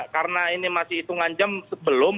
karena ini masih hitungan jam sebelum